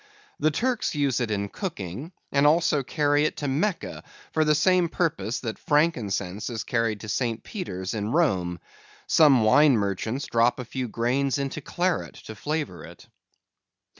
The Turks use it in cooking, and also carry it to Mecca, for the same purpose that frankincense is carried to St. Peter's in Rome. Some wine merchants drop a few grains into claret, to flavor it.